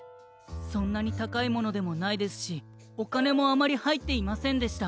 そんなにたかいものでもないですしおかねもあまりはいっていませんでした。